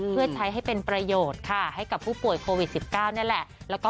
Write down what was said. เพื่อใช้ให้เป็นประโยชน์ค่ะให้กับผู้ป่วยโควิด๑๙นี่แหละ